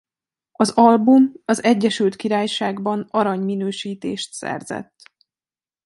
Az album az Egyesült Királyságban arany minősítést szerzett.